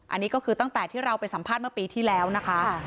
อันนี้ก็คือตั้งแต่ที่เราไปสัมภาษณ์เมื่อปีที่แล้วนะคะ